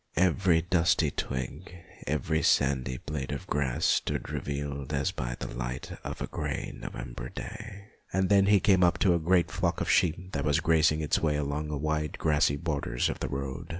Every dusty twig, every sandy blade of grass stood revealed as by the light of a grey November day. And then he came up to a great flock of sheep that was grazing its way along the wide grassy borders of the road.